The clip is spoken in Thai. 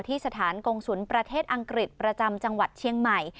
ที่สถานกงศุลประเทศอังกฤษประจำจังหวัดเชียงใหม่